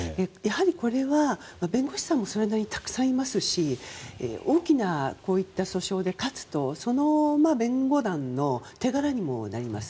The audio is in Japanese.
これは、弁護士さんもそれなりにたくさんいますし大きな訴訟で勝つとその弁護団の手柄にもなります。